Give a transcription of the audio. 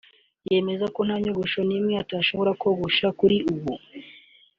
yemeza ko nta nyogosho n’imwe atashobora kogosha kuri ubu